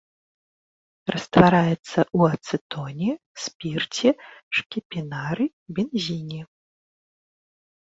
Раствараецца ў ацэтоне, спірце, шкіпінары, бензіне.